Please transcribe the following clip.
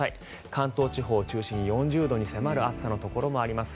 関東地方を中心に４０度に迫る暑さのところもあります。